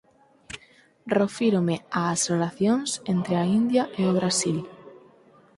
Refírome ás relacións entre a India e o Brasil